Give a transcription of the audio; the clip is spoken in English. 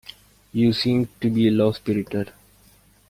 You seem to be low-spirited.